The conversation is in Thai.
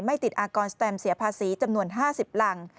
ไม่ติดอากรสแตมเสียภาษีจำนวน๕๐หลัง